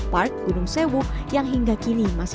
pertama di malumah bisa diwayaukan dengan pembeli badan opo